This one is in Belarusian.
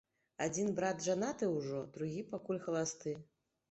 Адзін брат жанаты ўжо, другі пакуль халасты.